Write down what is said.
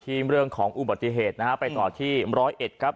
ทีมเรื่องของอุบัติเหตุนะฮะไปต่อที่๑๐๑ครับ